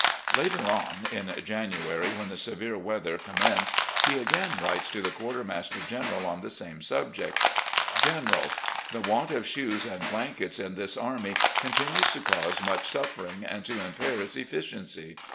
..." Later on, in January, when the severe weather com menced, he again writes to the Quartermaster General on the same subject; " General: The want of shoes and blankets in this army continues to cause much suffering and to impair its effi ciency.